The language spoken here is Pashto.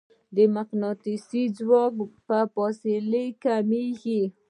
د مقناطیس ځواک په فاصلې کمېږي.